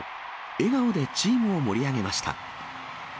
笑顔でチームを盛り上げました。